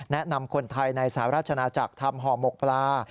แนะนำคนไทยในสหราชนาจักรทำห่อหมกปลา